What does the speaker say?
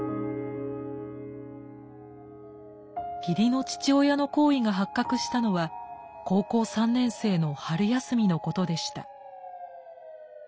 義理の父親の行為が発覚したのは高校３年生の春休みのことでした。